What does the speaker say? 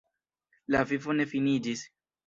La vivo ne finiĝis.